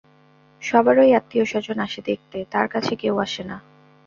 সবারই আত্মীয়স্বজন আসে দেখতে, তাঁর কাছে কেউ আসে না।